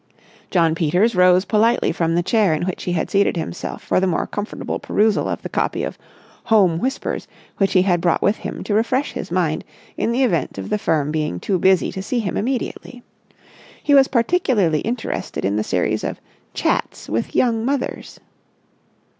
Jno. Peters rose politely from the chair in which he had seated himself for the more comfortable perusal of the copy of Home Whispers which he had brought with him to refresh his mind in the event of the firm being too busy to see him immediately. He was particularly interested in the series of chats with Young Mothers.